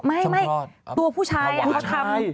ไม่ตัวผู้ชาย